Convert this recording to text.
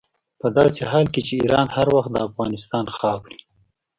په داسې حال کې چې ایران هر وخت د افغانستان خاورې.